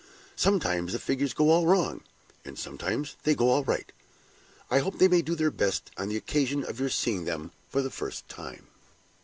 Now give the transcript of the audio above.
Sometimes the figures go all wrong, and sometimes they go all right. I hope they may do their best on the occasion of your seeing them for the first time."